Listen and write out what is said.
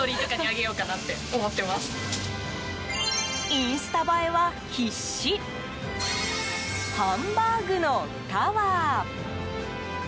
インスタ映えは必至ハンバーグのタワー。